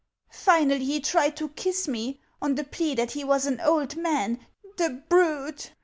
Finally he tried to kiss me, on the plea that he was an old man, the brute!